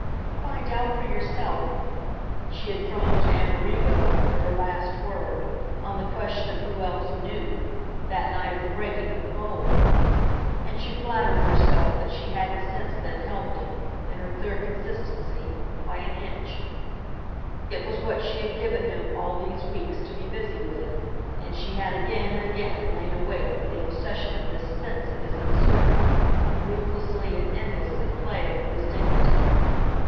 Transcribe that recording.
"Find out for yourself!" she had thrown to Amerigo, for her last word, on the question of who else "knew," that night of the breaking of the Bowl; and she flattered herself that she hadn't since then helped him, in her clear consistency, by an inch. It was what she had given him, all these weeks, to be busy with, and she had again and again lain awake for the obsession of this sense of his uncertainty ruthlessly and endlessly playing with his dignity.